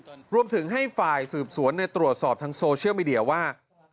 ร้องมาด้วยรวมถึงให้ไฟล์สืบสวนในตรวจสอบทางโซเชียลมีเดียวว่า